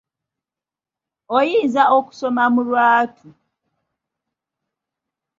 Oyinza okusoma mu lwatu.